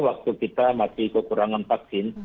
waktu kita masih kekurangan vaksin